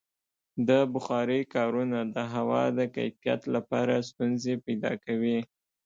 د بخارۍ کارونه د هوا د کیفیت لپاره ستونزې پیدا کوي.